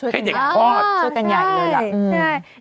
ให้เด็กพ่อช่วยกันใหญ่เลยอะอืมใช่